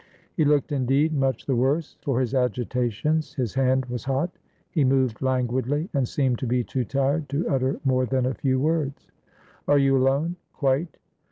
He looked, indeed, much the worse for his agitations. His hand was hot; he moved languidly, and seemed to be too tired to utter more than a few words. "Are you alone?" "Quite.